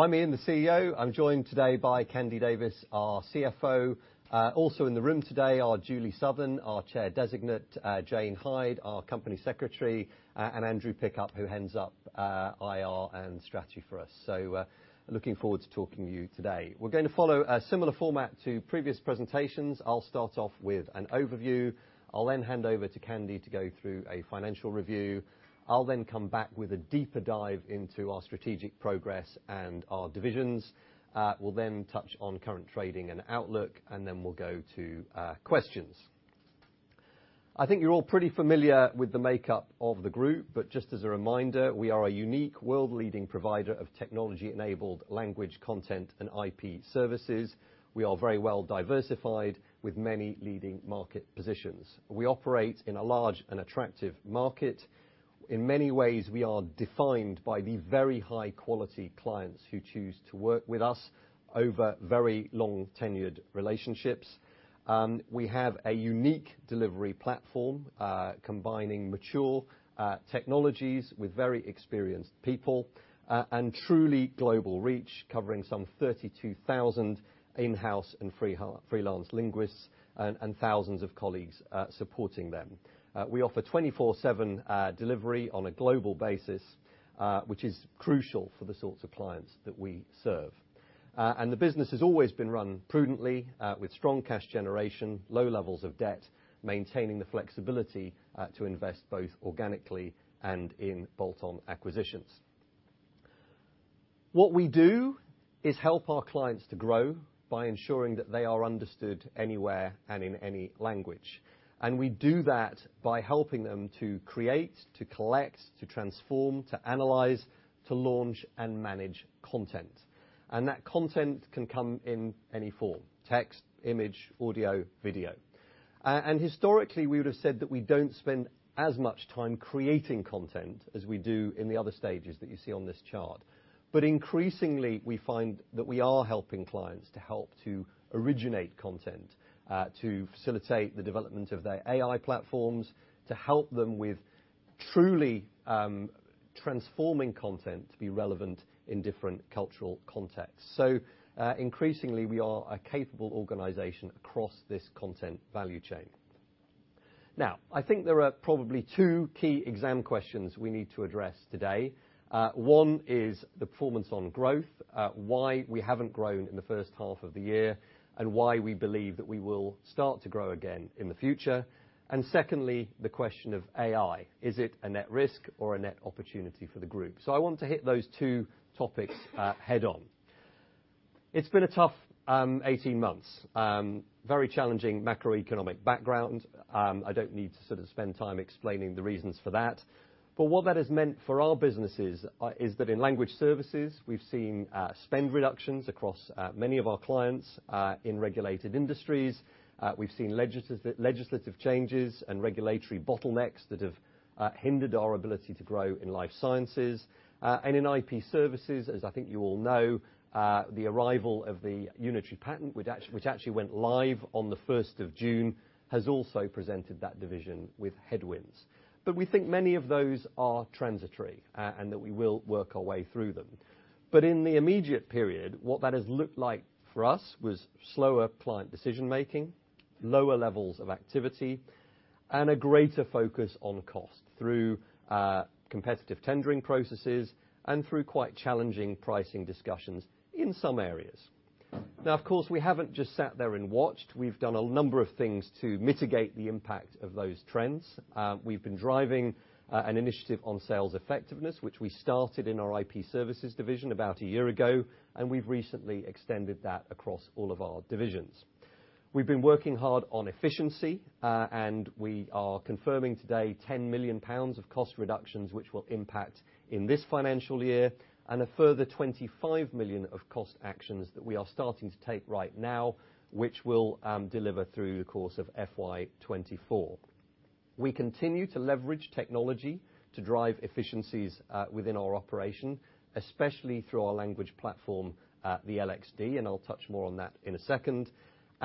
I'm Ian, the CEO. I'm joined today by Sandy Davies, our CFO. Also in the room today are Julie Southern, our Chair Designate, Jane Hyde, our Company Secretary, and Andrew Pickup, who heads up IR and strategy for us. Looking forward to talking to you today. We're going to follow a similar format to previous presentations. I'll start off with an overview. I'll hand over to Sandy to go through a financial review. I'll come back with a deeper dive into our strategic progress and our divisions. We'll touch on current trading and outlook, and then we'll go to questions. I think you're all pretty familiar with the makeup of the group, but just as a reminder, we are a unique, world-leading provider of technology-enabled language, content, and IP services. We are very well diversified, with many leading market positions. We operate in a large and attractive market. In many ways, we are defined by the very high quality clients who choose to work with us over very long tenured relationships. We have a unique delivery platform, combining mature technologies with very experienced people and truly global reach, covering some 32,000 in-house and freelance linguists, and thousands of colleagues supporting them. We offer 24/7 delivery on a global basis, which is crucial for the sorts of clients that we serve. The business has always been run prudently, with strong cash generation, low levels of debt, maintaining the flexibility to invest both organically and in bolt-on acquisitions. What we do is help our clients to grow by ensuring that they are understood anywhere and in any language. We do that by helping them to create, to collect, to transform, to analyze, to launch, and manage content. That content can come in any form: text, image, audio, video. Historically, we would have said that we don't spend as much time creating content as we do in the other stages that you see on this chart. Increasingly, we find that we are helping clients to help to originate content, to facilitate the development of their AI platforms, to help them with truly transforming content to be relevant in different cultural contexts. Increasingly, we are a capable organization across this content value chain. Now, I think there are probably two key exam questions we need to address today. One is the performance on growth, why we haven't grown in the first half of the year, and why we believe that we will start to grow again in the future. Secondly, the question of AI: Is it a net risk or a net opportunity for the group? I want to hit those two topics head-on. It's been a tough 18 months. Very challenging macroeconomic background. I don't need to sort of spend time explaining the reasons for that. What that has meant for our businesses is that in Language Services, we've seen spend reductions across many of our clients in Regulated Industries. We've seen legislative changes and regulatory bottlenecks that have hindered our ability to grow in life sciences. In IP Services, as I think you all know, the arrival of the Unitary Patent, which actually went live on the first of June, has also presented that division with headwinds. We think many of those are transitory, and that we will work our way through them. In the immediate period, what that has looked like for us was slower client decision-making, lower levels of activity, and a greater focus on cost through competitive tendering processes and through quite challenging pricing discussions in some areas. Now, of course, we haven't just sat there and watched. We've done a number of things to mitigate the impact of those trends. We've been driving an initiative on sales effectiveness, which we started in our IP Services division about a year ago, and we've recently extended that across all of our divisions. We've been working hard on efficiency, and we are confirming today 10 million pounds of cost reductions, which will impact in this financial year, and a further 25 million of cost actions that we are starting to take right now, which will deliver through the course of FY 2024. We continue to leverage technology to drive efficiencies within our operation, especially through our language platform, the LXD, and I'll touch more on that in a second.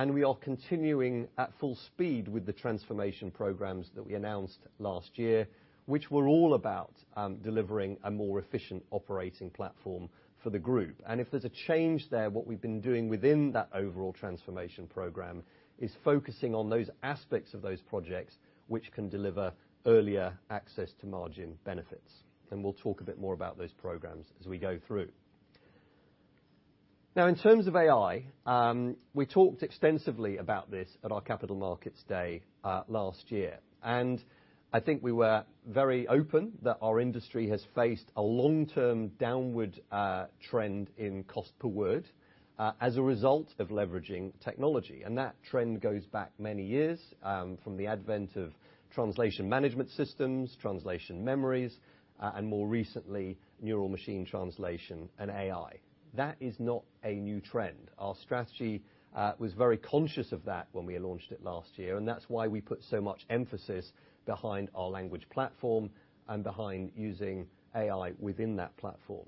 We are continuing at full speed with the transformation programs that we announced last year, which were all about delivering a more efficient operating platform for the group. If there's a change there, what we've been doing within that overall transformation program is focusing on those aspects of those projects which can deliver earlier access to margin benefits. We'll talk a bit more about those programs as we go through. In terms of AI, we talked extensively about this at our Capital Markets Day last year, and I think we were very open that our industry has faced a long-term downward trend in cost per word as a result of leveraging technology. That trend goes back many years from the advent of translation management systems, translation memories, and more recently, neural machine translation and AI. That is not a new trend. Our strategy was very conscious of that when we launched it last year, and that's why we put so much emphasis behind our language platform and behind using AI within that platform.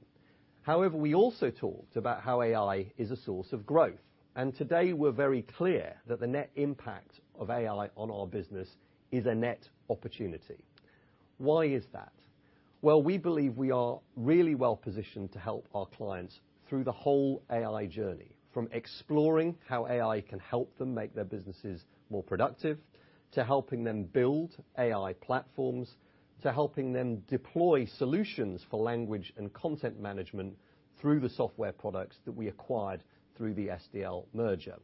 We also talked about how AI is a source of growth, and today we're very clear that the net impact of AI on our business is a net opportunity. Why is that? Well, we believe we are really well positioned to help our clients through the whole AI journey, from exploring how AI can help them make their businesses more productive, to helping them build AI platforms, to helping them deploy solutions for language and content management through the software products that we acquired through the SDL merger.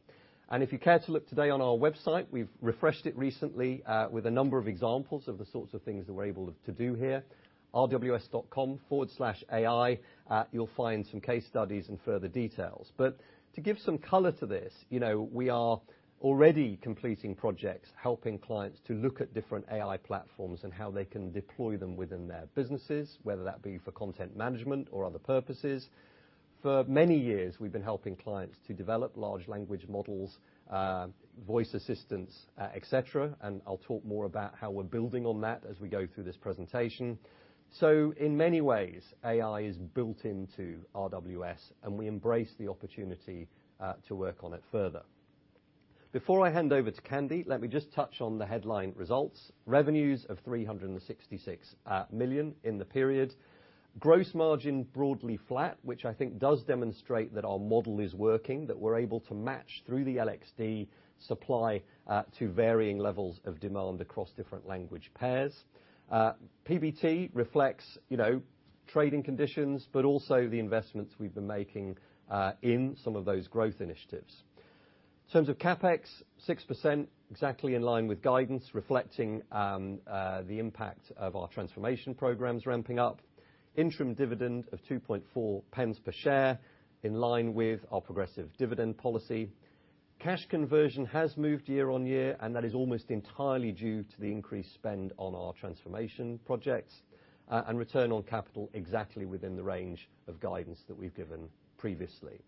If you care to look today on our website, we've refreshed it recently, with a number of examples of the sorts of things that we're able to do here. rws.com/ai, you'll find some case studies and further details. To give some color to this, you know, we are already completing projects, helping clients to look at different AI platforms and how they can deploy them within their businesses, whether that be for content management or other purposes. For many years, we've been helping clients to develop large language models, voice assistants, et cetera, and I'll talk more about how we're building on that as we go through this presentation. In many ways, AI is built into RWS, and we embrace the opportunity to work on it further. Before I hand over to Sandy, let me just touch on the headline results. Revenues of 366 million in the period. Gross margin, broadly flat, which I think does demonstrate that our model is working, that we're able to match through the LXD supply to varying levels of demand across different language pairs. PBT reflects, you know, trading conditions, but also the investments we've been making in some of those growth initiatives. In terms of CapEx, 6%, exactly in line with guidance, reflecting the impact of our transformation programs ramping up. Interim dividend of 2.4 pence per share, in line with our progressive dividend policy. Cash conversion has moved year-on-year, and that is almost entirely due to the increased spend on our transformation projects. Return on capital, exactly within the range of guidance that we've given previously.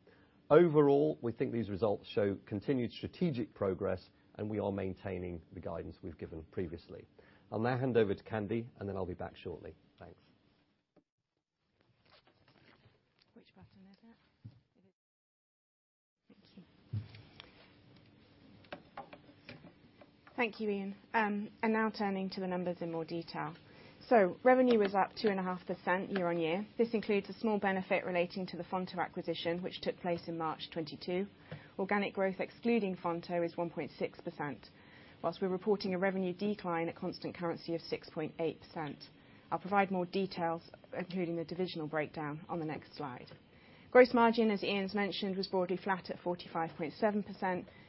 Overall, we think these results show continued strategic progress, and we are maintaining the guidance we've given previously. I'll now hand over to Sandy, and then I'll be back shortly. Thanks. Which button is it? Thank you. Thank you, Ian. Now turning to the numbers in more detail. Revenue was up 2.5% year-on-year. This includes a small benefit relating to the Fonto acquisition, which took place in March 2022. Organic growth, excluding Fonto, is 1.6%, whilst we're reporting a revenue decline at constant currency of 6.8%. I'll provide more details, including the divisional breakdown, on the next slide. Gross margin, as Ian's mentioned, was broadly flat at 45.7%,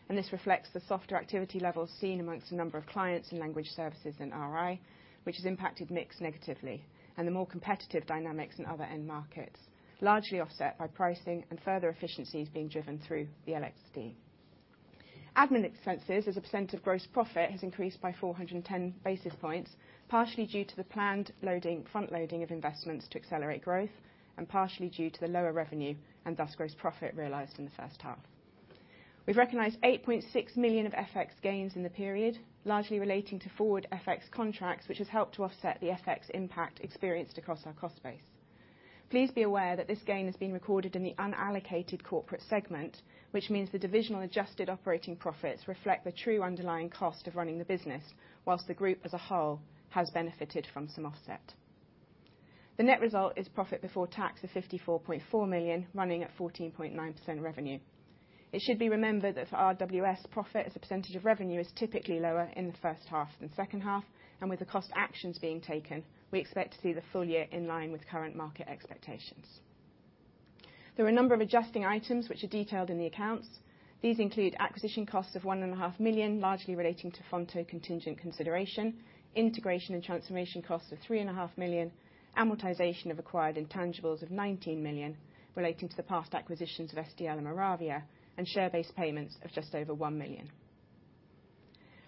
and this reflects the softer activity levels seen amongst a number of clients in Language Services in Regulated Industries, which has impacted mix negatively, and the more competitive dynamics in other end markets, largely offset by pricing and further efficiencies being driven through the LXD. Admin expenses, as a percent of gross profit, has increased by 410 basis points, partially due to the planned front loading of investments to accelerate growth, and partially due to the lower revenue, and thus, gross profit realized in the first half. We've recognized 8.6 million of FX gains in the period, largely relating to forward FX contracts, which has helped to offset the FX impact experienced across our cost base. Please be aware that this gain has been recorded in the unallocated corporate segment, which means the divisional adjusted operating profits reflect the true underlying cost of running the business, whilst the group as a whole has benefited from some offset. The net result is profit before tax of 54.4 million, running at 14.9% revenue. It should be remembered that for RWS, profit as a % of revenue, is typically lower in the first half than second half, and with the cost actions being taken, we expect to see the full year in line with current market expectations. There are a number of adjusting items which are detailed in the accounts. These include acquisition costs of one and a half million, largely relating to Fonto contingent consideration, integration and transformation costs of three and a half million, amortization of acquired intangibles of 19 million, relating to the past acquisitions of SDL and Moravia, and share-based payments of just over 1 million.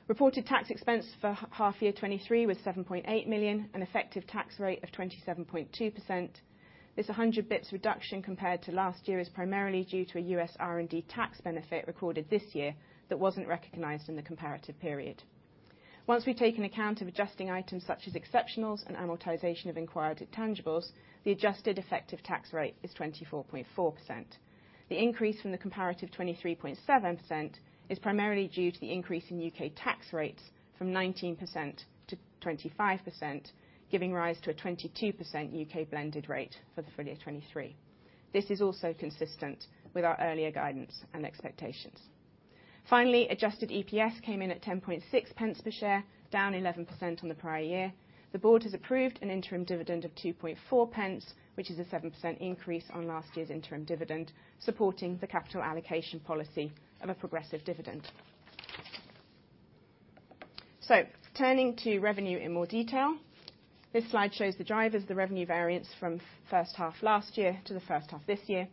Reported tax expense for half year 2023 was 7.8 million, an effective tax rate of 27.2%. This 100 bps reduction compared to last year, is primarily due to a U.S. R&D tax benefit recorded this year, that wasn't recognized in the comparative period. Once we take an account of adjusting items, such as exceptionals and amortization of acquired intangibles, the adjusted effective tax rate is 24.4%. The increase from the comparative 23.7% is primarily due to the increase in U.K. tax rates from 19% to 25%, giving rise to a 22% U.K. blended rate for the full year 2023. This is also consistent with our earlier guidance and expectations. Adjusted EPS came in at 10.6 pence per share, down 11% on the prior year. The board has approved an interim dividend of 2.4 pence, which is a 7% increase on last year's interim dividend, supporting the capital allocation policy of a progressive dividend. Turning to revenue in more detail. This slide shows the drivers, the revenue variance from first half last year to the first half this year.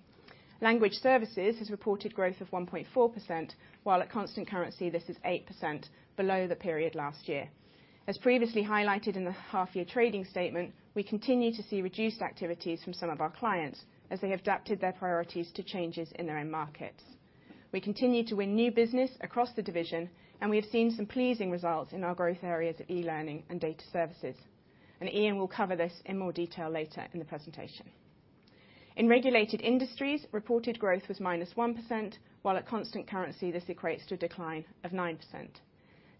Language Services has reported growth of 1.4%, while at constant currency, this is 8% below the period last year. As previously highlighted in the half year trading statement, we continue to see reduced activities from some of our clients as they have adapted their priorities to changes in their own markets.... We continue to win new business across the division, and we have seen some pleasing results in our growth areas of eLearning and data services. Ian will cover this in more detail later in the presentation. In Regulated Industries, reported growth was -1%, while at constant currency, this equates to a decline of 9%.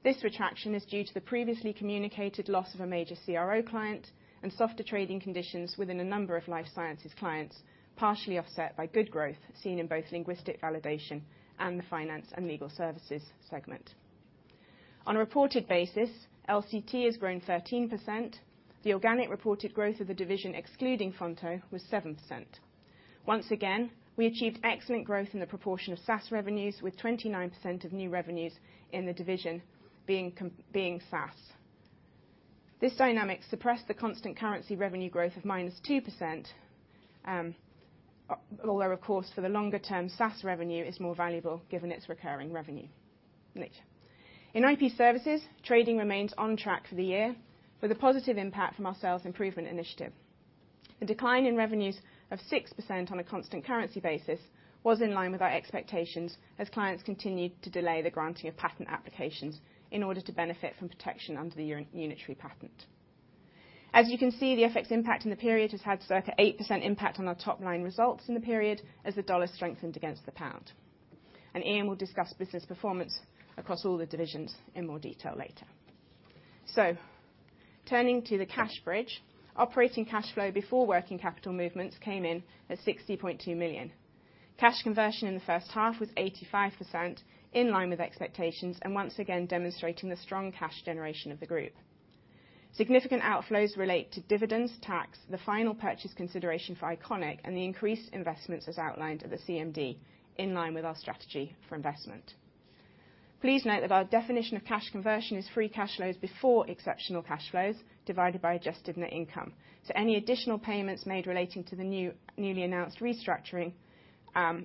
This retraction is due to the previously communicated loss of a major CRO client and softer trading conditions within a number of life sciences clients, partially offset by good growth seen in both linguistic validation and the finance and legal services segment. On a reported basis, LCT has grown 13%. The organic reported growth of the division, excluding Fonto, was 7%. Once again, we achieved excellent growth in the proportion of SaaS revenues, with 29% of new revenues in the division being SaaS. This dynamic suppressed the constant currency revenue growth of -2%. Although, of course, for the longer term, SaaS revenue is more valuable given its recurring revenue. In IP Services, trading remains on track for the year, with a positive impact from our sales improvement initiative. The decline in revenues of 6% on a constant currency basis was in line with our expectations, as clients continued to delay the granting of patent applications in order to benefit from protection under the Unitary Patent. As you can see, the FX impact in the period has had circa 8% impact on our top-line results in the period, as the dollar strengthened against the pound. Ian will discuss business performance across all the divisions in more detail later. Turning to the cash bridge, operating cash flow before working capital movements came in at 60.2 million. Cash conversion in the first half was 85%, in line with expectations, and once again, demonstrating the strong cash generation of the group. Significant outflows relate to dividends, tax, the final purchase consideration for Iconic, and the increased investments as outlined at the CMD, in line with our strategy for investment. Please note that our definition of cash conversion is free cash flows before exceptional cash flows, divided by adjusted net income. Any additional payments made relating to the newly announced restructuring,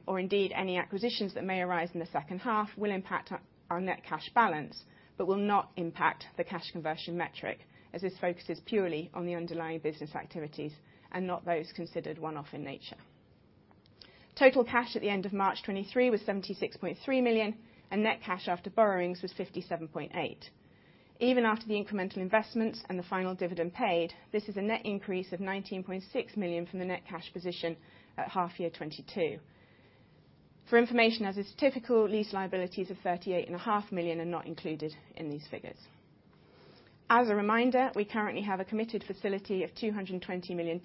or indeed any acquisitions that may arise in the second half, will impact our net cash balance, but will not impact the cash conversion metric, as this focuses purely on the underlying business activities and not those considered one-off in nature. Total cash at the end of March 2023 was 76.3 million, and net cash after borrowings was 57.8 million. Even after the incremental investments and the final dividend paid, this is a net increase of 19.6 million from the net cash position at half year 2022. For information, as is typical, lease liabilities of 38 and a half million are not included in these figures. As a reminder, we currently have a committed facility of $220 million,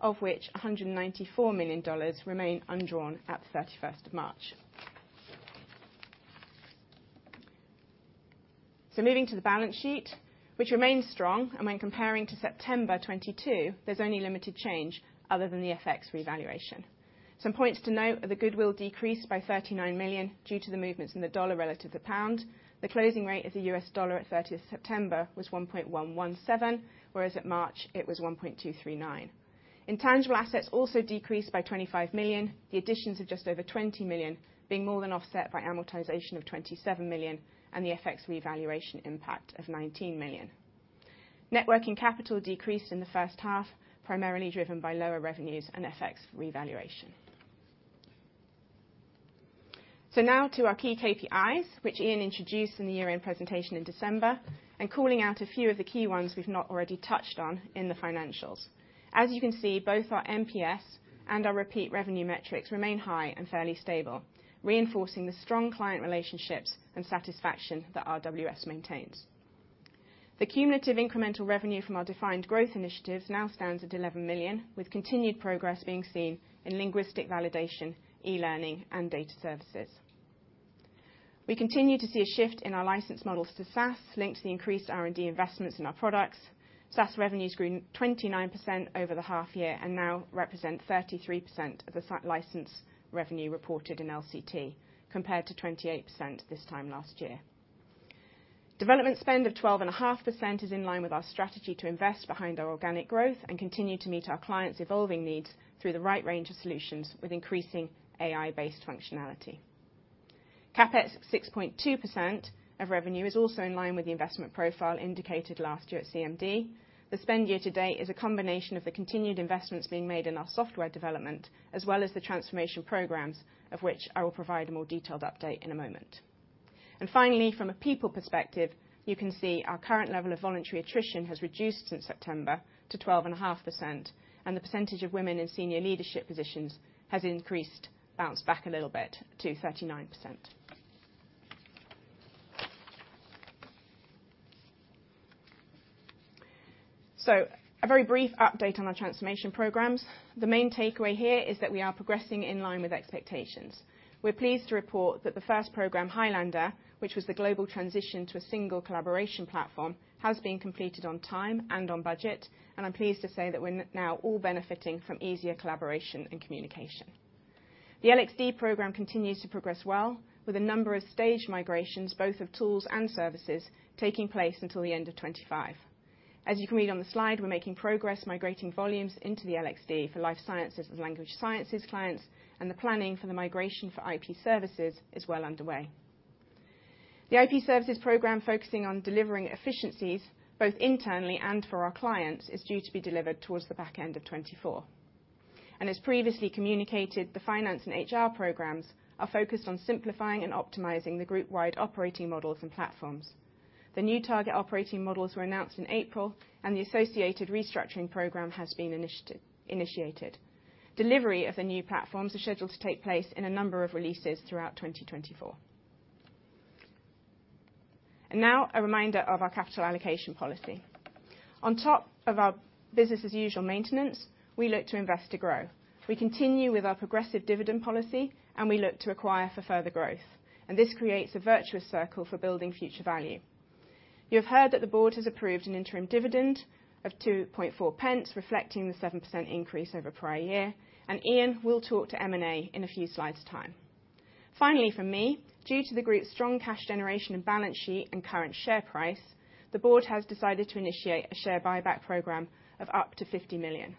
of which $194 million remain undrawn at the 31st of March. Moving to the balance sheet, which remains strong, and when comparing to September 2022, there's only limited change other than the FX revaluation. Some points to note are the goodwill decreased by 39 million due to the movements in the dollar relative to the pound. The closing rate of the US dollar at 30th September was 1.117, whereas at March it was 1.239. Intangible assets also decreased by 25 million. The additions of just over 20 million being more than offset by amortization of 27 million, and the FX revaluation impact of 19 million. Net working capital decreased in the first half, primarily driven by lower revenues and FX revaluation. Now to our key KPIs, which Ian introduced in the year-end presentation in December, and calling out a few of the key ones we've not already touched on in the financials. As you can see, both our NPS and our repeat revenue metrics remain high and fairly stable, reinforcing the strong client relationships and satisfaction that RWS maintains. The cumulative incremental revenue from our defined growth initiatives now stands at 11 million, with continued progress being seen in linguistic validation, eLearning, and data services. We continue to see a shift in our license models to SaaS, linked to the increased R&D investments in our products. SaaS revenues grew 29% over the half year and now represent 33% of the site license revenue reported in LCT, compared to 28% this time last year. Development spend of 12.5% is in line with our strategy to invest behind our organic growth and continue to meet our clients' evolving needs through the right range of solutions with increasing AI-based functionality. CapEx, 6.2% of revenue, is also in line with the investment profile indicated last year at CMD. The spend year to date is a combination of the continued investments being made in our software development, as well as the transformation programs, of which I will provide a more detailed update in a moment. Finally, from a people perspective, you can see our current level of voluntary attrition has reduced since September to 12.5%, and the percentage of women in senior leadership positions has increased, bounced back a little bit to 39%. A very brief update on our transformation programs. The main takeaway here is that we are progressing in line with expectations. We're pleased to report that the first program, Highlander, which was the global transition to a single collaboration platform, has been completed on time and on budget, and I'm pleased to say that we're now all benefiting from easier collaboration and communication. The LXD program continues to progress well, with a number of staged migrations, both of tools and services, taking place until the end of 2025. As you can read on the slide, we're making progress migrating volumes into the LXD for life sciences and Language Services clients. The planning for the migration for IP Services is well underway. The IP Services program focusing on delivering efficiencies, both internally and for our clients, is due to be delivered towards the back end of 2024. As previously communicated, the finance and HR programs are focused on simplifying and optimizing the group-wide operating models and platforms. The new target operating models were announced in April, the associated restructuring program has been initiated. Delivery of the new platforms are scheduled to take place in a number of releases throughout 2024. Now a reminder of our capital allocation policy. On top of our business as usual maintenance, we look to invest to grow. We continue with our progressive dividend policy, and we look to acquire for further growth, and this creates a virtuous circle for building future value. You have heard that the board has approved an interim dividend of 2.4 pence, reflecting the 7% increase over prior year, and Ian will talk to M&A in a few slides' time. Finally, from me, due to the group's strong cash generation and balance sheet and current share price, the board has decided to initiate a share buyback program of up to 50 million.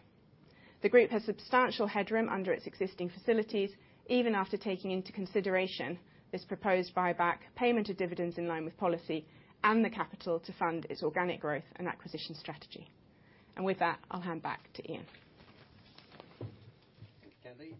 The group has substantial headroom under its existing facilities, even after taking into consideration this proposed buyback, payment of dividends in line with policy, and the capital to fund its organic growth and acquisition strategy. With that, I'll hand back to Ian. Thank you, Sandy.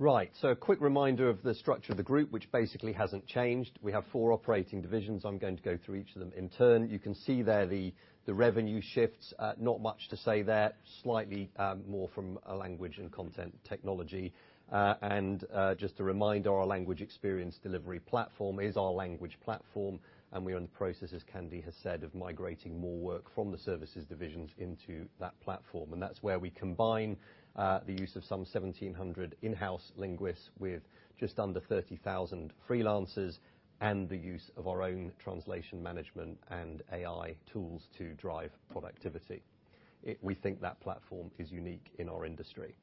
Right, a quick reminder of the structure of the group, which basically hasn't changed. We have four operating divisions. I'm going to go through each of them in turn. You can see there the revenue shifts. Not much to say there. Slightly more from a Language & Content Technology. Just a reminder, our Language Experience Delivery platform is our language platform, and we are in the process, as Sandy has said, of migrating more work from the services divisions into that platform. That's where we combine the use of some 1,700 in-house linguists with just under 30,000 freelancers and the use of our own translation management and AI tools to drive productivity. We think that platform is unique in our industry.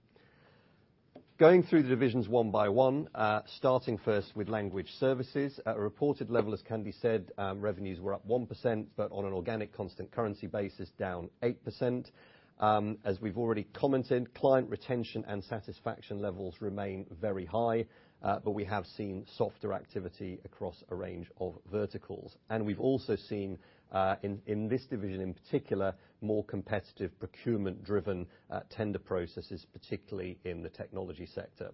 Going through the divisions one by one, starting first with Language Services. At a reported level, as Sandy said, revenues were up 1%, but on an organic, constant currency basis, down 8%. As we've already commented, client retention and satisfaction levels remain very high, but we have seen softer activity across a range of verticals. We've also seen, in this division, in particular, more competitive procurement-driven tender processes, particularly in the technology sector.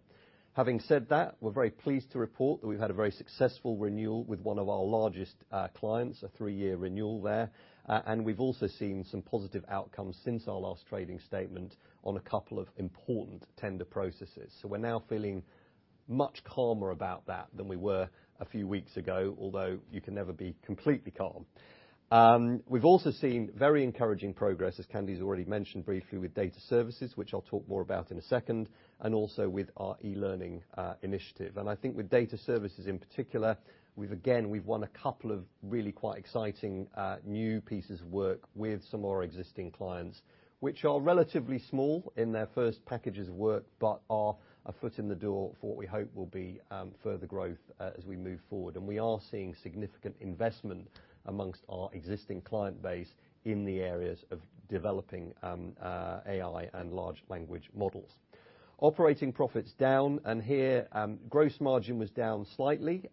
Having said that, we're very pleased to report that we've had a very successful renewal with one of our largest clients, a 3-year renewal there. We've also seen some positive outcomes since our last trading statement on a couple of important tender processes. We're now feeling much calmer about that than we were a few weeks ago, although you can never be completely calm. We've also seen very encouraging progress, as Sandy's already mentioned briefly, with data services, which I'll talk more about in a second, and also with our eLearning initiative. I think with data services in particular, we've won a couple of really quite exciting new pieces of work with some of our existing clients, which are relatively small in their first packages of work, but are a foot in the door for what we hope will be further growth as we move forward. We are seeing significant investment amongst our existing client base in the areas of developing AI and large language models. Operating profits down. Here, gross margin was down slightly,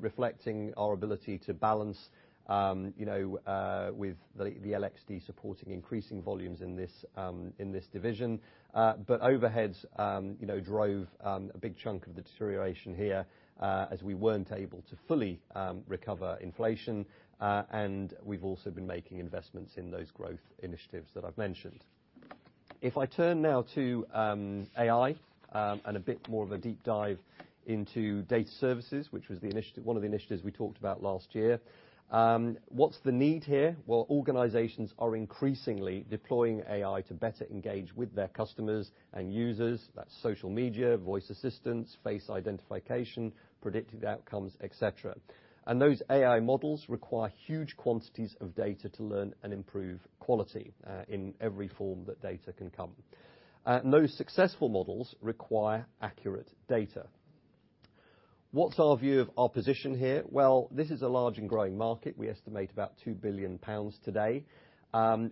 reflecting our ability to balance, you know, with the LXD supporting increasing volumes in this division. Overheads, you know, drove a big chunk of the deterioration here, as we weren't able to fully recover inflation, and we've also been making investments in those growth initiatives that I've mentioned. If I turn now to AI, and a bit more of a deep dive into data services, which was one of the initiatives we talked about last year. What's the need here? Well, organizations are increasingly deploying AI to better engage with their customers and users. That's social media, voice assistance, face identification, predictive outcomes, et cetera. Those AI models require huge quantities of data to learn and improve quality, in every form that data can come. Those successful models require accurate data. What's our view of our position here? Well, this is a large and growing market. We estimate about 2 billion pounds today.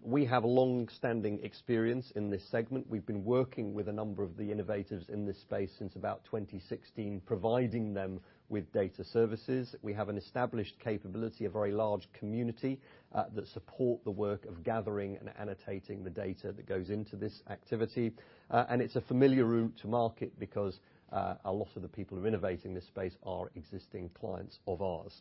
We have long-standing experience in this segment. We've been working with a number of the innovators in this space since about 2016, providing them with data services. We have an established capability, a very large community that support the work of gathering and annotating the data that goes into this activity. It's a familiar route to market because a lot of the people who are innovating this space are existing clients of ours.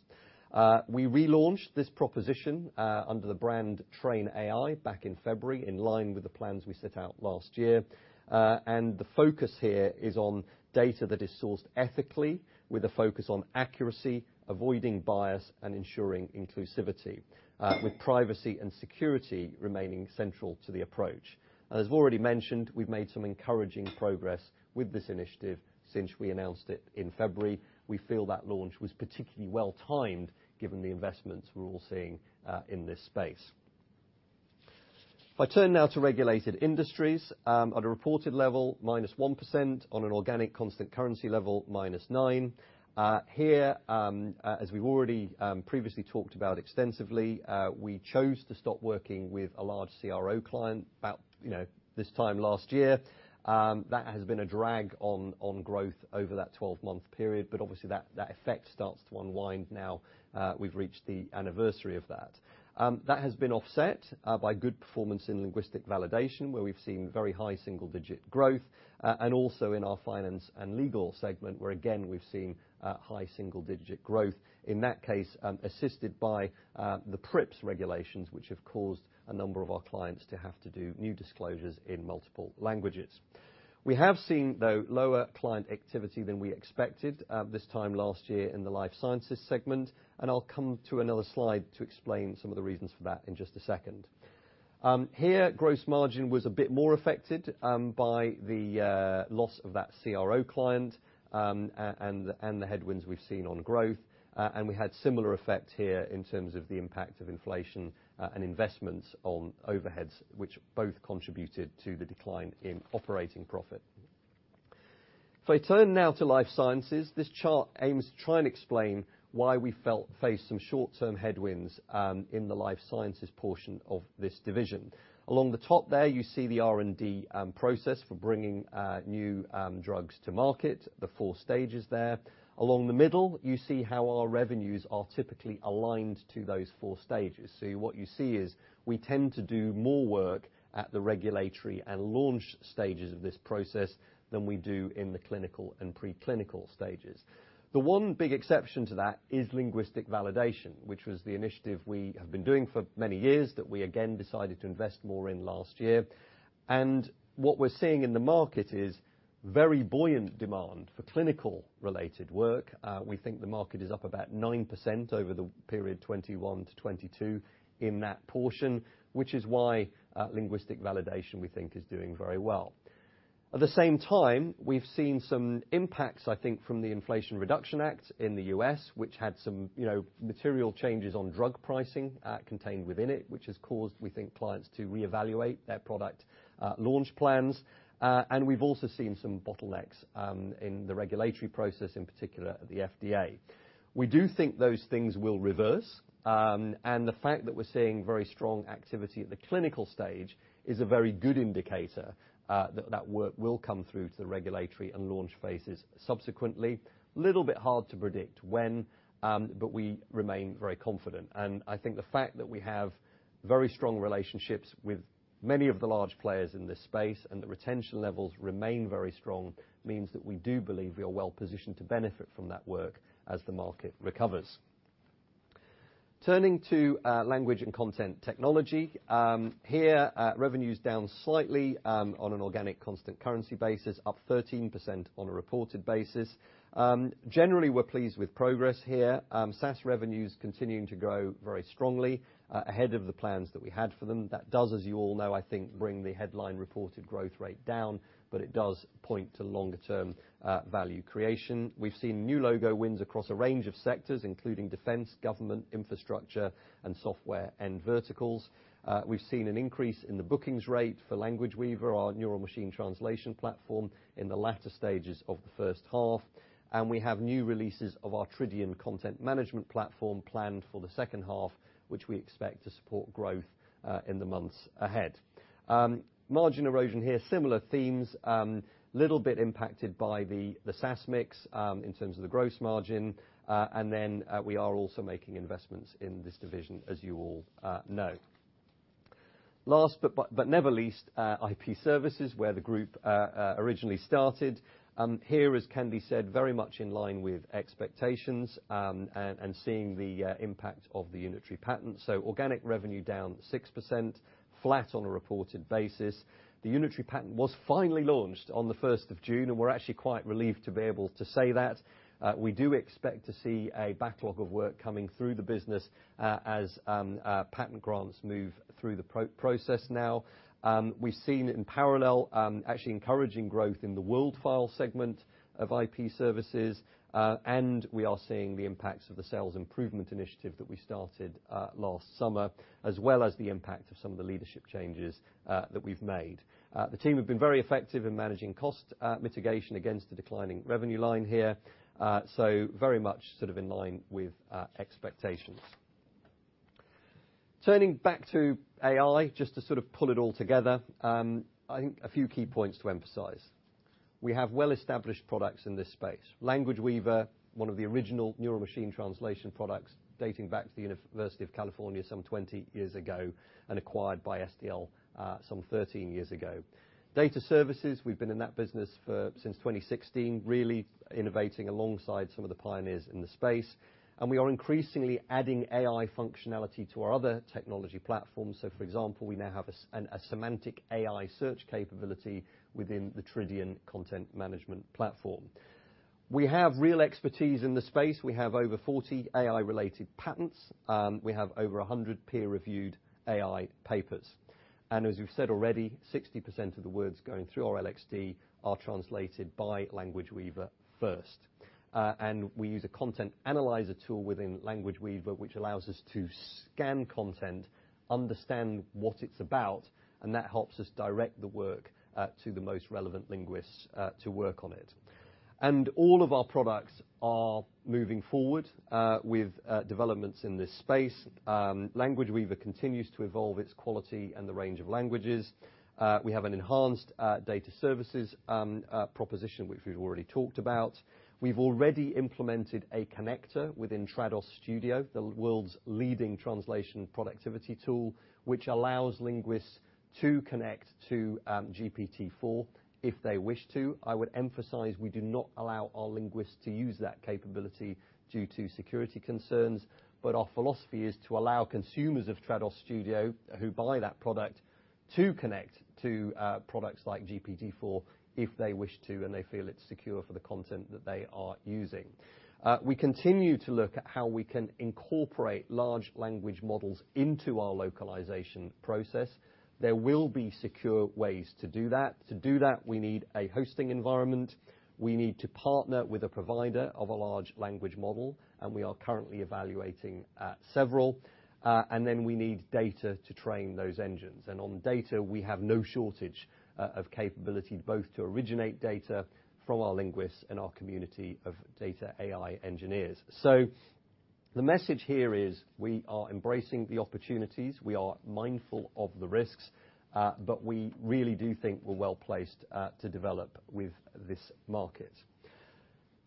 We relaunched this proposition under the brand TrainAI back in February, in line with the plans we set out last year. The focus here is on data that is sourced ethically, with a focus on accuracy, avoiding bias, and ensuring inclusivity, with privacy and security remaining central to the approach. As we've already mentioned, we've made some encouraging progress with this initiative since we announced it in February. We feel that launch was particularly well-timed, given the investments we're all seeing in this space. I turn now to Regulated Industries, at a reported level, -1%, on an organic constant currency level, -9%. Here, as we've already previously talked about extensively, we chose to stop working with a large CRO client about, you know, this time last year. That has been a drag on growth over that 12-month period, but obviously, that effect starts to unwind now, we've reached the anniversary of that. That has been offset by good performance in linguistic validation, where we've seen very high single-digit growth, and also in our finance and legal segment, where, again, we've seen high single-digit growth. In that case, assisted by the PRIIPs regulations, which have caused a number of our clients to have to do new disclosures in multiple languages. We have seen, though, lower client activity than we expected this time last year in the life sciences segment, and I'll come to another slide to explain some of the reasons for that in just a second. Here, gross margin was a bit more affected by the loss of that CRO client and the headwinds we've seen on growth. We had similar effect here in terms of the impact of inflation and investments on overheads, which both contributed to the decline in operating profit. If I turn now to life sciences, this chart aims to try and explain why we felt faced some short-term headwinds in the life sciences portion of this division. Along the top there, you see the R&D process for bringing new drugs to market, the four stages there. Along the middle, you see how our revenues are typically aligned to those four stages. What you see is we tend to do more work at the regulatory and launch stages of this process than we do in the clinical and preclinical stages. The one big exception to that is linguistic validation, which was the initiative we have been doing for many years that we again decided to invest more in last year. What we're seeing in the market is very buoyant demand for clinical-related work. We think the market is up about 9% over the period 2021-2022 in that portion, which is why linguistic validation, we think, is doing very well. At the same time, we've seen some impacts, I think, from the Inflation Reduction Act in the U.S., which had some, you know, material changes on drug pricing, contained within it, which has caused, we think, clients to reevaluate their product, launch plans. We've also seen some bottlenecks in the regulatory process, in particular at the FDA. We do think those things will reverse, the fact that we're seeing very strong activity at the clinical stage is a very good indicator that that work will come through to the regulatory and launch phases subsequently. Little bit hard to predict when, we remain very confident. I think the fact that we have very strong relationships with many of the large players in this space, and the retention levels remain very strong, means that we do believe we are well positioned to benefit from that work as the market recovers. Turning to language and content technology. Here, revenue's down slightly on an organic constant currency basis, up 13% on a reported basis. Generally, we're pleased with progress here. SaaS revenues continuing to grow very strongly, ahead of the plans that we had for them. That does, as you all know, I think, bring the headline reported growth rate down, but it does point to longer-term value creation. We've seen new logo wins across a range of sectors, including defense, government, infrastructure, and software and verticals. We've seen an increase in the bookings rate for Language Weaver, our neural machine translation platform, in the latter stages of the first half, and we have new releases of our Tridion content management platform planned for the second half, which we expect to support growth in the months ahead. Margin erosion here, similar themes. Little bit impacted by the SaaS mix, in terms of the gross margin, and then, we are also making investments in this division, as you all know. Last, but never least, IP Services, where the group originally started. Here, as can be said, very much in line with expectations, and seeing the impact of the Unitary Patent. Organic revenue down 6%, flat on a reported basis. The Unitary Patent was finally launched on the 1st of June, and we're actually quite relieved to be able to say that. We do expect to see a backlog of work coming through the business, as patent grants move through the process now. We've seen in parallel, actually encouraging growth in the WorldFile segment of IP Services, and we are seeing the impacts of the sales improvement initiative that we started last summer, as well as the impact of some of the leadership changes that we've made. The team have been very effective in managing cost mitigation against the declining revenue line here, very much sort of in line with expectations. Turning back to AI, just to sort of pull it all together, I think a few key points to emphasize. We have well-established products in this space. Language Weaver, one of the original neural machine translation products, dating back to the University of California some 20 years ago and acquired by SDL, some 13 years ago. Data services, we've been in that business since 2016, really innovating alongside some of the pioneers in the space, and we are increasingly adding AI functionality to our other technology platforms. For example, we now have a semantic AI search capability within the Tridion content management platform. We have real expertise in the space. We have over 40 AI-related patents. We have over 100 peer-reviewed AI papers. As we've said already, 60% of the words going through our LXD are translated by Language Weaver first. And we use a Content Analyzer tool within Language Weaver, which allows us to scan content, understand what it's about, and that helps us direct the work to the most relevant linguists to work on it. All of our products are moving forward with developments in this space. Language Weaver continues to evolve its quality and the range of languages. We have an enhanced data services proposition, which we've already talked about. We've already implemented a connector within Trados Studio, the world's leading translation productivity tool, which allows linguists to connect to GPT-4 if they wish to. I would emphasize, we do not allow our linguists to use that capability due to security concerns, but our philosophy is to allow consumers of Trados Studio, who buy that product, to connect to products like GPT-4 if they wish to, and they feel it's secure for the content that they are using. We continue to look at how we can incorporate large language models into our localization process. There will be secure ways to do that. To do that, we need a hosting environment, we need to partner with a provider of a large language model, we are currently evaluating several, then we need data to train those engines. On data, we have no shortage of capability, both to originate data from our linguists and our community of data AI engineers. The message here is we are embracing the opportunities, we are mindful of the risks, we really do think we're well-placed to develop with this market.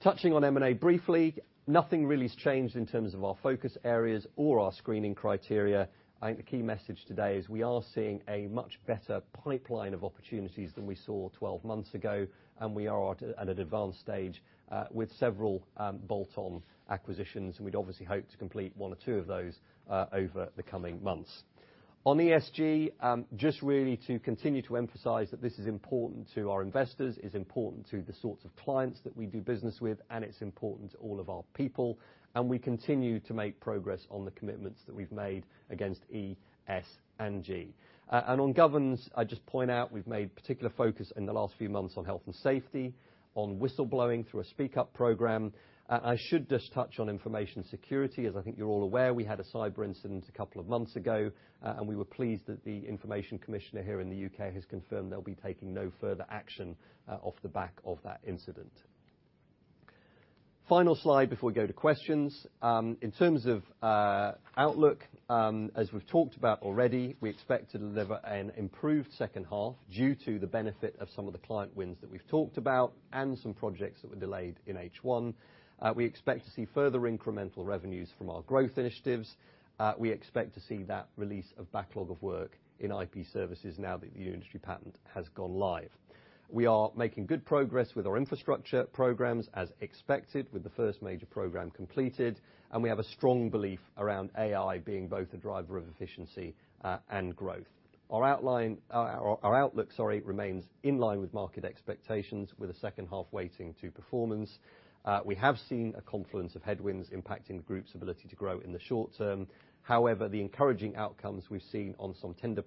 Touching on M&A briefly, nothing really has changed in terms of our focus areas or our screening criteria. I think the key message today is we are seeing a much better pipeline of opportunities than we saw 12 months ago, we are at an advanced stage with several bolt-on acquisitions, we'd obviously hope to complete one or two of those over the coming months. On ESG, just really to continue to emphasize that this is important to our investors, it's important to the sorts of clients that we do business with, it's important to all of our people, we continue to make progress on the commitments that we've made against ES and G. On governance, I'd just point out, we've made particular focus in the last few months on health and safety, on whistleblowing through a speak-up program. I should just touch on information security. As I think you're all aware, we had a cyber incident a couple of months ago, and we were pleased that the Information Commissioner here in the UK has confirmed they'll be taking no further action off the back of that incident. Final slide before we go to questions. In terms of outlook, as we've talked about already, we expect to deliver an improved second half due to the benefit of some of the client wins that we've talked about and some projects that were delayed in H1. We expect to see further incremental revenues from our growth initiatives. We expect to see that release of backlog of work in IP Services now that the Unitary patent has gone live. We are making good progress with our infrastructure programs as expected, with the first major program completed. We have a strong belief around AI being both a driver of efficiency and growth. Our outlook, sorry, remains in line with market expectations, with the second half weighting to performance. We have seen a confluence of headwinds impacting the group's ability to grow in the short term. However, the encouraging outcomes we've seen on some tender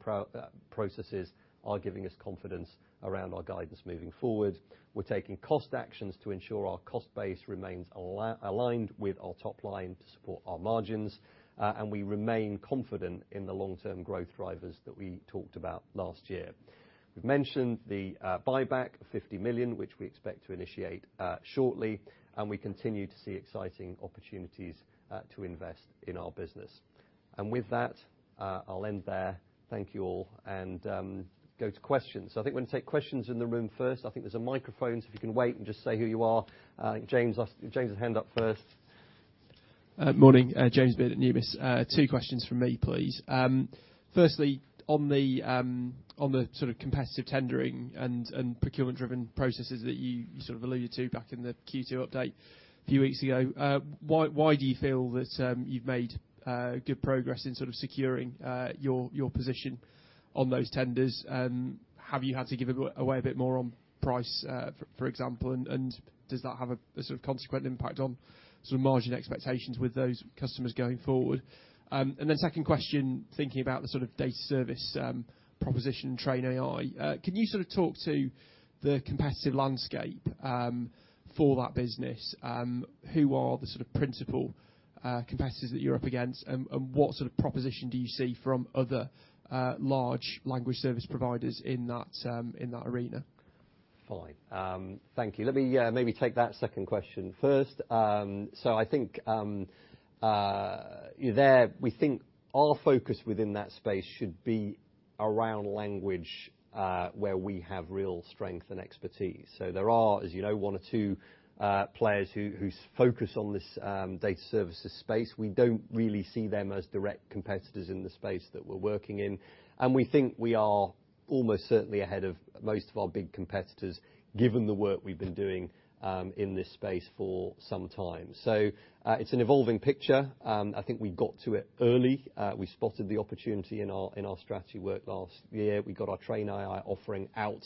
processes are giving us confidence around our guidance moving forward. We're taking cost actions to ensure our cost base remains aligned with our top line to support our margins. We remain confident in the long-term growth drivers that we talked about last year. We've mentioned the buyback of 50 million, which we expect to initiate shortly, and we continue to see exciting opportunities to invest in our business. With that, I'll end there. Thank you all, and go to questions. I think we're gonna take questions in the room first. I think there's a microphone, so if you can wait and just say who you are. James hand up first. Morning, James Beard at Deutsche Numis. Two questions from me, please. Firstly, on the, on the sort of competitive tendering and procurement-driven processes that you sort of alluded to back in the Q2 update a few weeks ago, why do you feel that you've made good progress in sort of securing your position on those tenders? Have you had to give away a bit more on price for example, and does that have a sort of consequent impact on sort of margin expectations with those customers going forward? Then second question, thinking about the sort of data services proposition and TrainAI, can you sort of talk to the competitive landscape for that business? Who are the sort of principal competitors that you're up against, and what sort of proposition do you see from other large language service providers in that in that arena? Fine. Thank you. Let me maybe take that second question first. I think there, we think our focus within that space should be around language, where we have real strength and expertise. There are, as you know, one or two players who, whose focus on this data services space. We don't really see them as direct competitors in the space that we're working in, and we think we are almost certainly ahead of most of our big competitors, given the work we've been doing in this space for some time. It's an evolving picture. I think we got to it early. We spotted the opportunity in our, in our strategy work last year. We got our TrainAI offering out,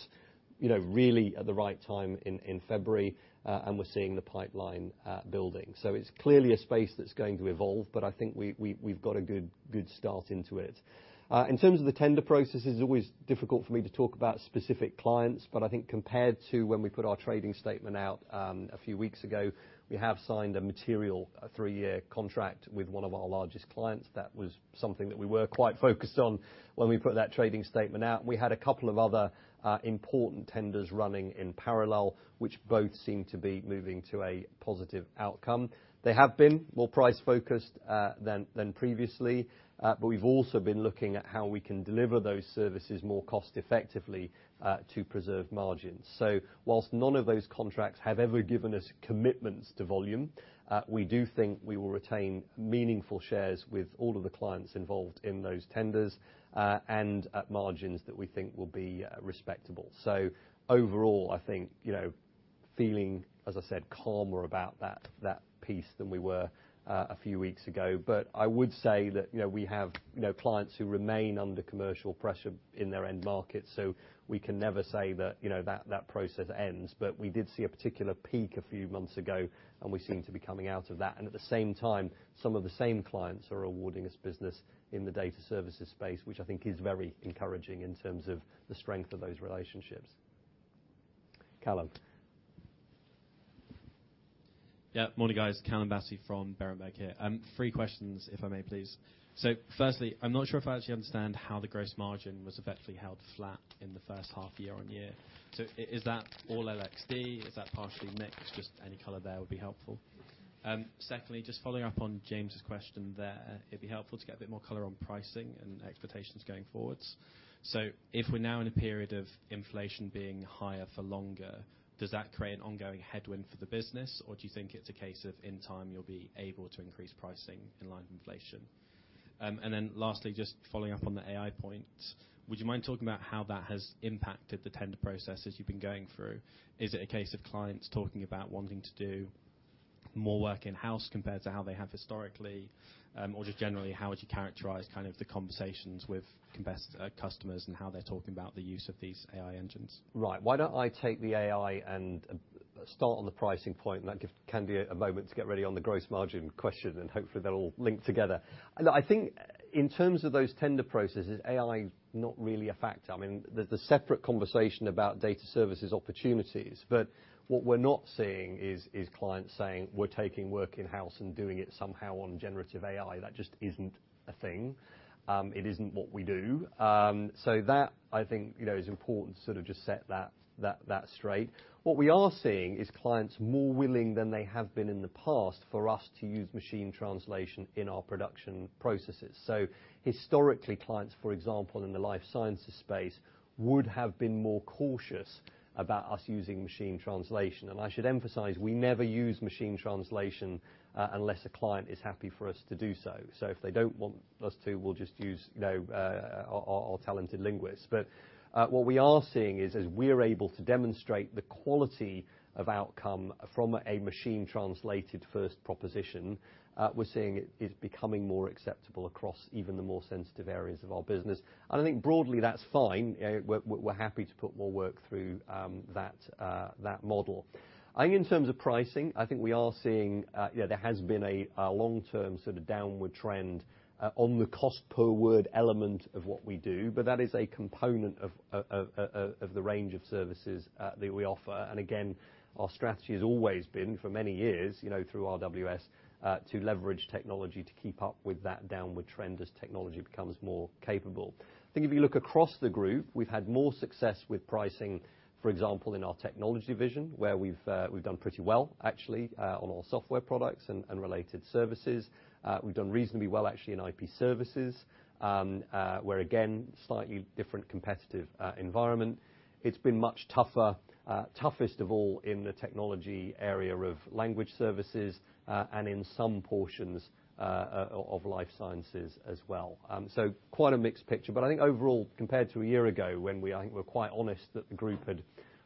you know, really at the right time in February, and we're seeing the pipeline building. It's clearly a space that's going to evolve, but I think we've got a good start into it. In terms of the tender process, it's always difficult for me to talk about specific clients, but I think compared to when we put our trading statement out, a few weeks ago, we have signed a material, a three-year contract with one of our largest clients. That was something that we were quite focused on when we put that trading statement out, and we had a couple of other important tenders running in parallel, which both seem to be moving to a positive outcome. They have been more price-focused, than previously, but we've also been looking at how we can deliver those services more cost effectively, to preserve margins. Whilst none of those contracts have ever given us commitments to volume, we do think we will retain meaningful shares with all of the clients involved in those tenders, and at margins that we think will be respectable. Overall, I think, you know, feeling, as I said, calmer about that piece than we were a few weeks ago. I would say that, you know, we have, you know, clients who remain under commercial pressure in their end market, so we can never say that, you know, that process ends. We did see a particular peak a few months ago, and we seem to be coming out of that. At the same time, some of the same clients are awarding us business in the data services space, which I think is very encouraging in terms of the strength of those relationships. Calum? Morning, guys. Calum Battersby from Berenberg here. Three questions, if I may, please. Firstly, I'm not sure if I actually understand how the gross margin was effectively held flat in the first half year-on-year. Is that all LXD? Is that partially mixed? Just any color there would be helpful. Secondly, just following up on James' question there, it'd be helpful to get a bit more color on pricing and expectations going forward. If we're now in a period of inflation being higher for longer, does that create an ongoing headwind for the business, or do you think it's a case of, in time, you'll be able to increase pricing in line with inflation? Lastly, just following up on the AI point, would you mind talking about how that has impacted the tender processes you've been going through? Is it a case of clients talking about wanting to do more work in-house compared to how they have historically, or just generally, how would you characterize kind of the conversations with customers and how they're talking about the use of these AI engines? Right. Why don't I take the AI and start on the pricing point, and that give Sandy a moment to get ready on the gross margin question, and hopefully, they'll all link together. I think in terms of those tender processes, AI is not really a factor. I mean, there's a separate conversation about data services opportunities, but what we're not seeing is clients saying, "We're taking work in-house and doing it somehow on generative AI." That just isn't a thing. It isn't what we do. So that, I think, you know, is important to sort of just set that straight. What we are seeing is clients more willing than they have been in the past for us to use machine translation in our production processes. Historically, clients, for example, in the life sciences space, would have been more cautious about us using machine translation. I should emphasize, we never use machine translation unless a client is happy for us to do so. If they don't want us to, we'll just use, you know, our talented linguists. What we are seeing is, as we are able to demonstrate the quality of outcome from a machine-translated first proposition, we're seeing it is becoming more acceptable across even the more sensitive areas of our business, and I think broadly, that's fine. We're, we're happy to put more work through that model. I think in terms of pricing, I think we are seeing, you know, there has been a long-term sort of downward trend on the cost per word element of what we do, but that is a component of the range of services that we offer. Again, our strategy has always been, for many years, you know, through RWS, to leverage technology to keep up with that downward trend as technology becomes more capable. I think if you look across the group, we've had more success with pricing, for example, in our technology division, where we've done pretty well, actually, on all software products and related services. We've done reasonably well, actually, in IP Services, where, again, slightly different competitive environment. It's been much tougher, toughest of all in the technology area of language services, and in some portions of life sciences as well. Quite a mixed picture, but I think overall, compared to a year ago, when we, I think, we're quite honest, that the group had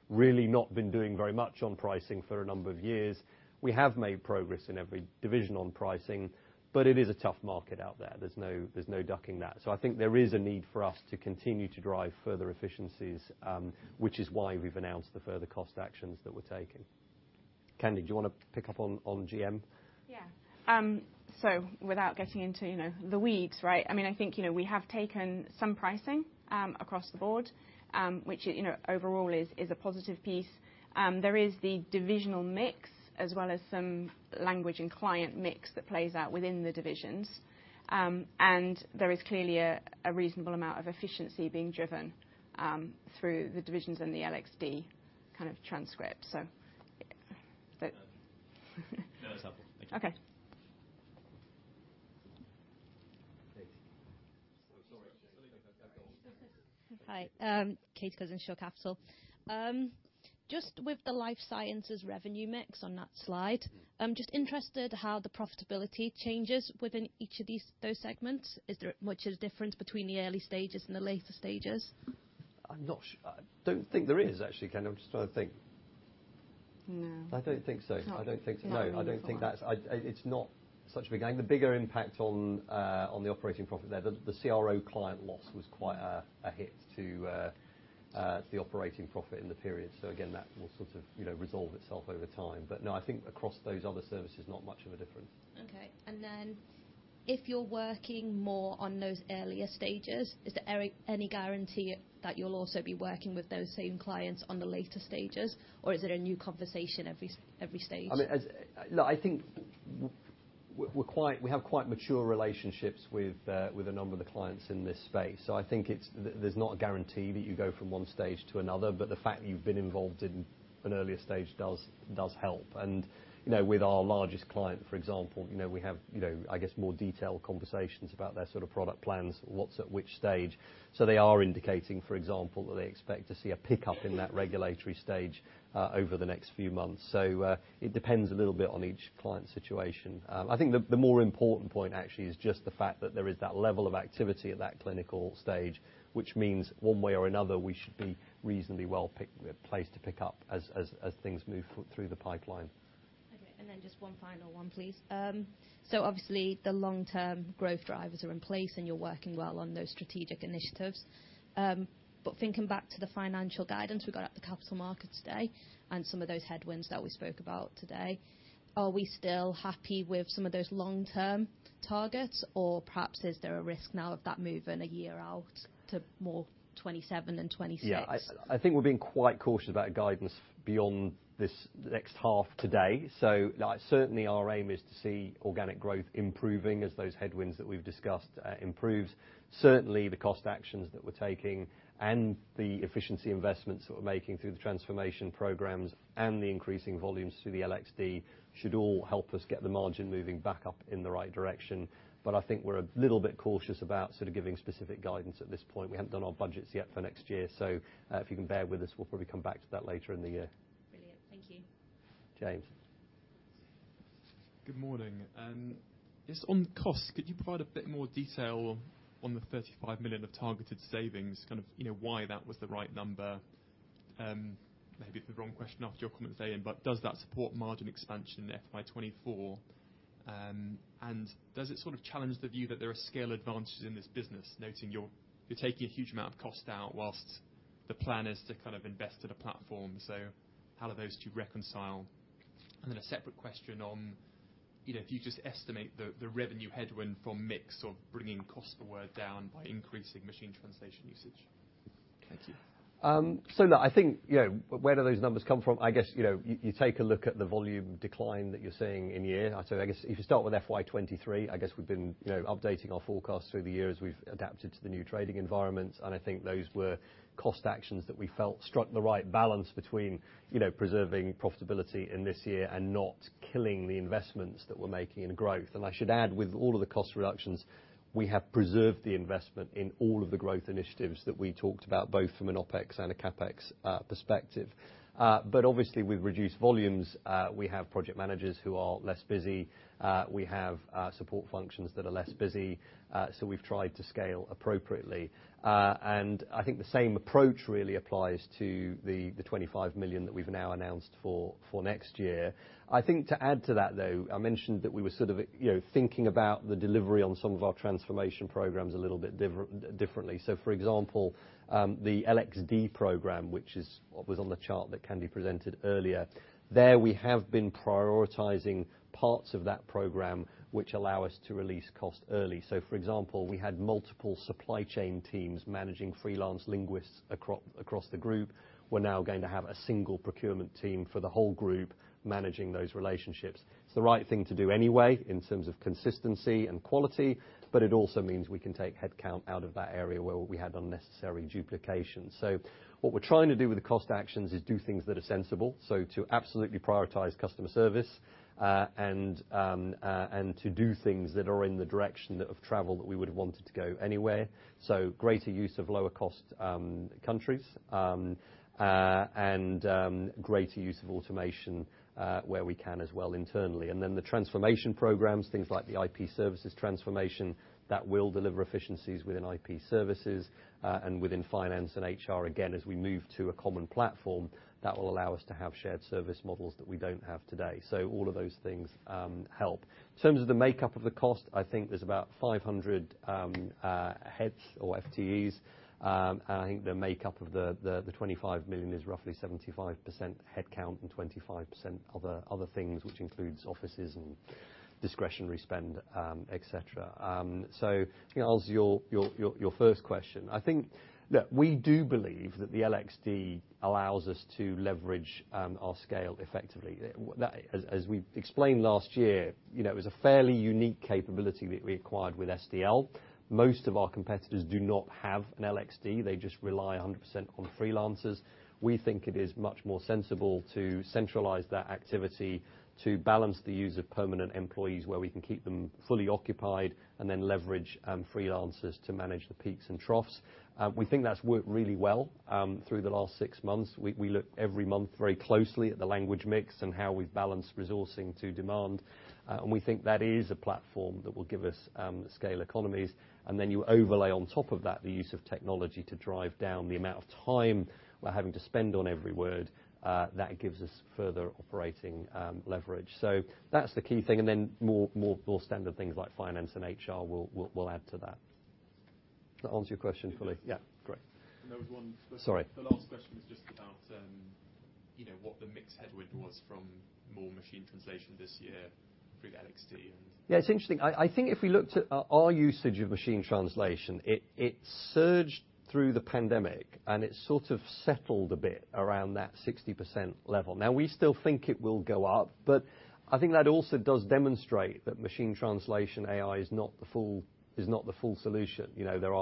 really not been doing very much on pricing for a number of years, we have made progress in every division on pricing, but it is a tough market out there. There's no ducking that. I think there is a need for us to continue to drive further efficiencies, which is why we've announced the further cost actions that we're taking. Sandy, do you want to pick up on GM? Yeah. Without getting into, you know, the weeds, right? I mean, I think, you know, we have taken some pricing across the board, which, you know, overall is a positive piece. There is the divisional mix, as well as some language and client mix that plays out within the divisions. There is clearly a reasonable amount of efficiency being driven through the divisions and the LXD kind of transcript. Yeah. But. No, that's helpful. Thank you. Okay. Hi. Katie Cousins, Shore Capital. Just with the life sciences revenue mix on that slide, I'm just interested how the profitability changes within each of these, those segments. Is there much difference between the early stages and the later stages? I don't think there is actually, Sandy. I'm just trying to think. No. I don't think so. It's not- I don't think so. No, I don't think that's I, it's not such a big thing. The bigger impact on the operating profit there, the CRO client loss was quite a hit to the operating profit in the period. Again, that will sort of, you know, resolve itself over time. No, I think across those other services, not much of a difference. Okay. If you're working more on those earlier stages, is there any guarantee that you'll also be working with those same clients on the later stages? Is it a new conversation every stage? I mean, Look, I think we're quite, we have quite mature relationships with a number of the clients in this space, so I think it's. There's not a guarantee that you go from one stage to another, but the fact that you've been involved in an earlier stage does help. You know, with our largest client, for example, you know, we have, you know, I guess, more detailed conversations about their sort of product plans, what's at which stage. They are indicating, for example, that they expect to see a pickup in that regulatory stage over the next few months. It depends a little bit on each client's situation. I think the more important point actually is just the fact that there is that level of activity at that clinical stage, which means one way or another, we should be reasonably well placed to pick up as things move through the pipeline. Just one final one, please. Obviously, the long-term growth drivers are in place, and you're working well on those strategic initiatives. Thinking back to the financial guidance we got at the Capital Markets Day, and some of those headwinds that we spoke about today, are we still happy with some of those long-term targets? Perhaps, is there a risk now of that moving a year out to more 2027 and 2026? I think we're being quite cautious about guidance beyond this next half today. Certainly, our aim is to see organic growth improving as those headwinds that we've discussed improves. Certainly, the cost actions that we're taking and the efficiency investments that we're making through the transformation programs and the increasing volumes through the LXD, should all help us get the margin moving back up in the right direction. I think we're a little bit cautious about sort of giving specific guidance at this point. We haven't done our budgets yet for next year, if you can bear with us, we'll probably come back to that later in the year. Brilliant. Thank you. James. Good morning. Just on cost, could you provide a bit more detail on the 35 million of targeted savings, kind of, you know, why that was the right number? Maybe the wrong question after your comment at the end, but does that support margin expansion in FY 2024? Does it sort of challenge the view that there are scale advantages in this business, noting you're taking a huge amount of cost out, whilst the plan is to kind of invest in a platform. How are those two reconcile? A separate question on, you know, if you just estimate the revenue headwind from mix of bringing cost per word down by increasing machine translation usage. Thank you. No. I think, you know, where do those numbers come from? I guess, you know, you take a look at the volume decline that you're seeing in the year. I guess, if you start with FY23, I guess we've been, you know, updating our forecasts through the year as we've adapted to the new trading environment, and I think those were cost actions that we felt struck the right balance between, you know, preserving profitability in this year and not killing the investments that we're making in growth. I should add, with all of the cost reductions, we have preserved the investment in all of the growth initiatives that we talked about, both from an OpEx and a CapEx perspective. Obviously, with reduced volumes, we have project managers who are less busy. We have support functions that are less busy, so we've tried to scale appropriately. I think the same approach really applies to the 25 million that we've now announced for next year. I think to add to that, though, I mentioned that we were sort of, you know, thinking about the delivery on some of our transformation programs a little bit differently. For example, the LXD program, which was on the chart that Sandy presented earlier. There, we have been prioritizing parts of that program, which allow us to release cost early. For example, we had multiple supply chain teams managing freelance linguists across the group. We're now going to have a single procurement team for the whole group managing those relationships. It's the right thing to do anyway, in terms of consistency and quality, but it also means we can take headcount out of that area where we had unnecessary duplication. What we're trying to do with the cost actions is do things that are sensible, so to absolutely prioritize customer service, and to do things that are in the direction of travel that we would have wanted to go anyway. Greater use of lower cost countries, and greater use of automation where we can as well internally. Then the transformation programs, things like the IP Services transformation, that will deliver efficiencies within IP Services, and within finance and HR. Again, as we move to a common platform, that will allow us to have shared service models that we don't have today. All of those things help. In terms of the makeup of the cost, I think there's about 500 heads or FTEs, and I think the makeup of the 25 million is roughly 75% headcount and 25% other things, which includes offices and discretionary spend, et cetera. To answer your first question, I think that we do believe that the LXD allows us to leverage our scale effectively. As we explained last year, you know, it was a fairly unique capability that we acquired with SDL. Most of our competitors do not have an LXD, they just rely 100% on freelancers. We think it is much more sensible to centralize that activity, to balance the use of permanent employees, where we can keep them fully occupied, and then leverage freelancers to manage the peaks and troughs. We think that's worked really well through the last six months. We look every month very closely at the language mix and how we've balanced resourcing to demand. We think that is a platform that will give us scale economies. You overlay on top of that, the use of technology to drive down the amount of time we're having to spend on every word that gives us further operating leverage. That's the key thing. More standard things like finance and HR, we'll add to that. Does that answer your question fully? Yeah, great. there was Sorry. The last question was just about, you know, what the mix headwind was from more machine translation this year through the LXD. Yeah, it's interesting. I think if we looked at our usage of machine translation, it surged through the pandemic, and it sort of settled a bit around that 60% level. We still think it will go up, but I think that also does demonstrate that machine translation AI is not the full solution. You know, there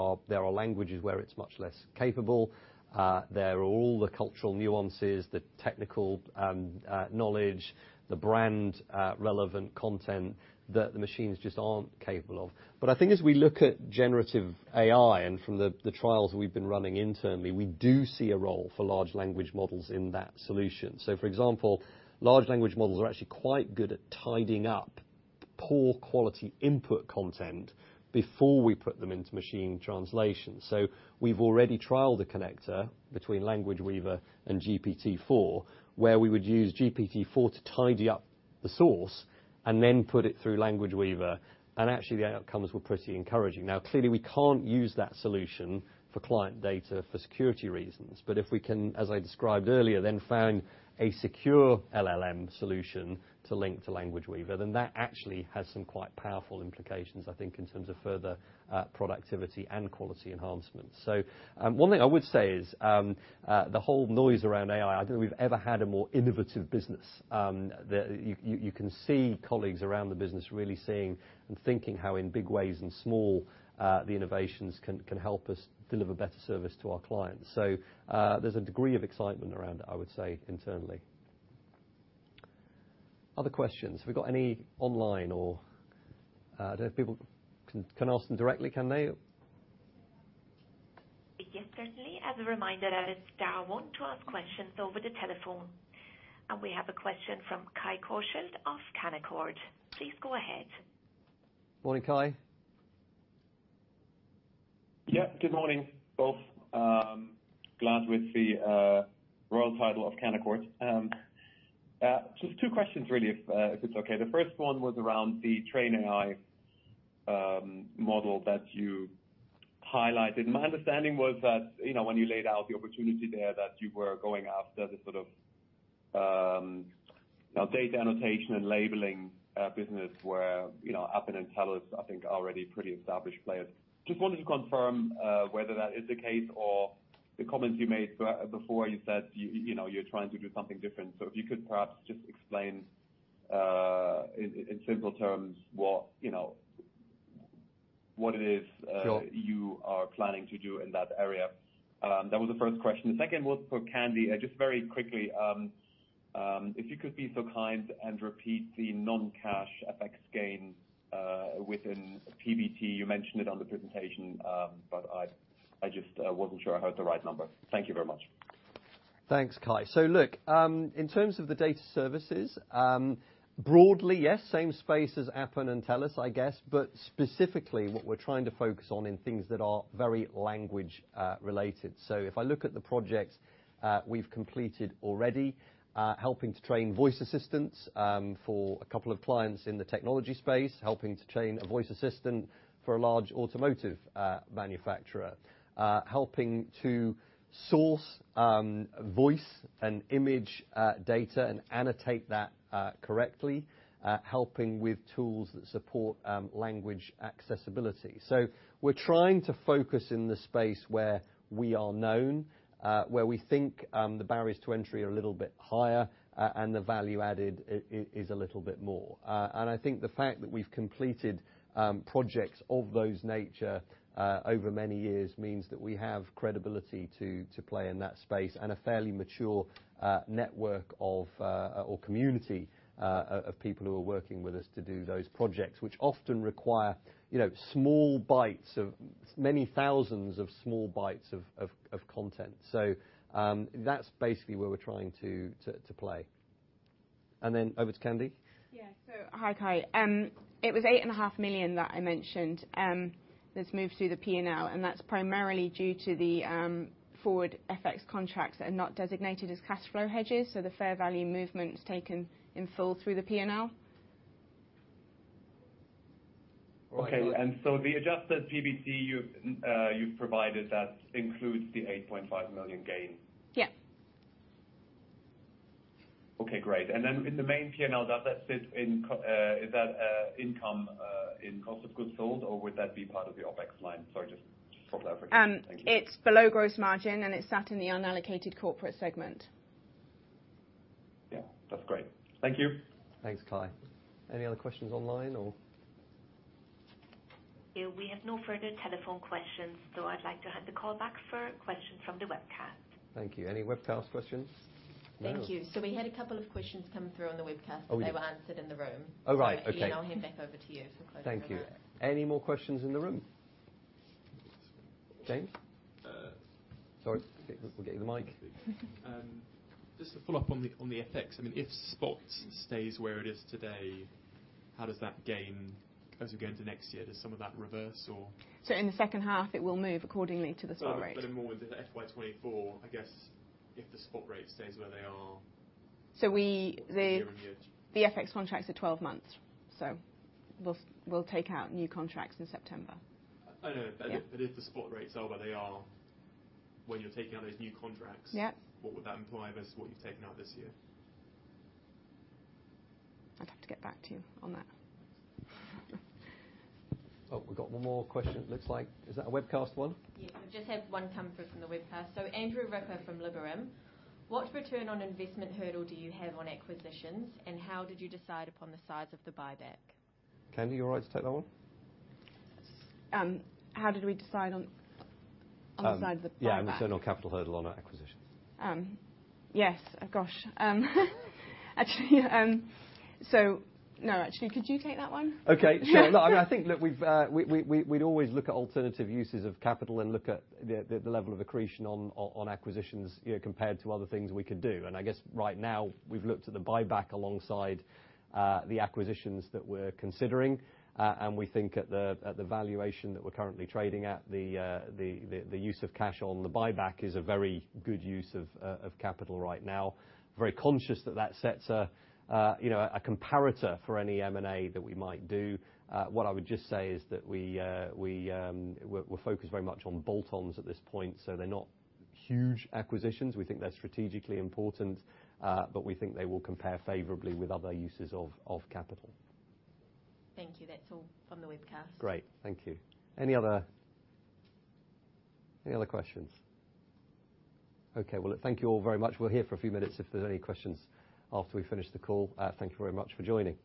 are languages where it's much less capable. There are all the cultural nuances, the technical and knowledge, the brand relevant content that the machines just aren't capable of. I think as we look at generative AI, and from the trials we've been running internally, we do see a role for large language models in that solution. For example, large language models are actually quite good at tidying up poor quality input content before we put them into machine translation. We've already trialed a connector between Language Weaver and GPT-4, where we would use GPT-4 to tidy up the source and then put it through Language Weaver, and actually, the outcomes were pretty encouraging. Clearly, we can't use that solution for client data for security reasons, but if we can, as I described earlier, then found a secure LLM solution to link to Language Weaver, then that actually has some quite powerful implications, I think, in terms of further productivity and quality enhancements. One thing I would say is, the whole noise around AI, I don't think we've ever had a more innovative business. you can see colleagues around the business really seeing and thinking how in big ways and small, the innovations can help us deliver better service to our clients. There's a degree of excitement around it, I would say, internally. Other questions? Have we got any online or Do people can ask them directly, can they? Yes, certainly. As a reminder, dial star one to ask questions over the telephone. We have a question from Kai Korschelt of Canaccord Genuity. Please go ahead. Morning, Kai. Yeah, good morning, both. glad with the royal title of Canaccord Genuity. just two questions, really, if it's okay. The first one was around the TrainAI model that you highlighted. My understanding was that, you know, when you laid out the opportunity there, that you were going after the sort of, you know, data annotation and labeling business where, you know, Appen and TELUS International, I think are already pretty established players. Just wanted to confirm whether that is the case or the comments you made before. You said, you know, you're trying to do something different. If you could perhaps just explain in simple terms, what, you know, what it is? Sure... you are planning to do in that area? That was the first question. The second was for Sandy. Just very quickly, if you could be so kind and repeat the non-cash FX gain within PBT. You mentioned it on the presentation, I just wasn't sure I heard the right number. Thank you very much. Thanks, Kai. Look, in terms of the data services, broadly, yes, same space as Appen and Telus, I guess, but specifically, what we're trying to focus on in things that are very language related. If I look at the projects we've completed already, helping to train voice assistants for a couple of clients in the technology space, helping to train a voice assistant for a large automotive manufacturer. Helping to source voice and image data and annotate that correctly, helping with tools that support language accessibility. We're trying to focus in the space where we are known, where we think the barriers to entry are a little bit higher, and the value added is a little bit more. I think the fact that we've completed projects of those nature over many years, means that we have credibility to play in that space, and a fairly mature network of or community of people who are working with us to do those projects, which often require, you know, many thousands of small bytes of content. That's basically where we're trying to play. Over to Sandy? Yeah. Hi, Kai. It was eight and a half million that I mentioned, that's moved through the P&L, and that's primarily due to the forward FX contracts that are not designated as cash flow hedges, so the fair value movement is taken in full through the P&L. Okay. The adjusted PBT you've provided, that includes the 8.5 million gain? Yes. Okay, great. Then in the main P&L, does that sit in is that income in cost of goods sold, or would that be part of the OpEx line? Sorry, just proper clarification. Thank you. It's below gross margin, and it's sat in the unallocated corporate segment. Yeah, that's great. Thank you. Thanks, Kai. Any other questions online, or...? Yeah, we have no further telephone questions, so I'd like to hand the call back for questions from the webcast. Thank you. Any webcast questions? No. Thank you. We had two questions come through on the webcast. Oh. They were answered in the room. Oh, right. Okay. Ian, I'll hand back over to you for closing remarks. Thank you. Any more questions in the room? James? Uh- Sorry, we'll get you the mic. Just to follow up on the, on the FX, I mean, if spot stays where it is today, how does that gain as we go into next year? Does some of that reverse or? In the second half, it will move accordingly to the spot rate. I more into the FY 2024, I guess, if the spot rate stays where they are. So we, the- Year-on-year. The FX contracts are 12 months, we'll take out new contracts in September. I know. Yeah. If the spot rates are where they are when you're taking out those new contracts. Yeah. What would that imply versus what you've taken out this year? I'd have to get back to you on that. Oh, we've got one more question, it looks like. Is that a webcast one? Yeah, we've just had one come through from the webcast. Andrew Ripper from Liberum. "What return on investment hurdle do you have on acquisitions, and how did you decide upon the size of the buyback? Sandy, you all right to take that one? How did we decide on the size of the buyback? Yeah, on the return on capital hurdle on our acquisitions. Yes. Gosh, actually, no, actually, could you take that one? Okay, sure. No, I mean, I think look, we've, we'd always look at alternative uses of capital and look at the level of accretion on acquisitions, you know, compared to other things we could do. I guess right now, we've looked at the buyback alongside the acquisitions that we're considering. We think at the valuation that we're currently trading at, the use of cash on the buyback is a very good use of capital right now. Very conscious that that sets a, you know, a comparator for any M&A that we might do. What I would just say is that we're focused very much on bolt-ons at this point, so they're not huge acquisitions. We think they're strategically important, but we think they will compare favorably with other uses of capital. Thank you. That's all from the webcast. Great, thank you. Any other questions? Okay. Well, thank you all very much. We're here for a few minutes if there's any questions after we finish the call. Thank you very much for joining.